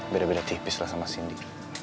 beda beda tipis lah sama cindy